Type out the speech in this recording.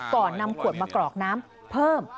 ก่อนนำขวดมากรอกน้ำเพิ่ม